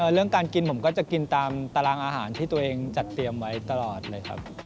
เรื่องการกินผมก็จะกินตามตารางอาหารที่ตัวเองจัดเตรียมไว้ตลอดเลยครับ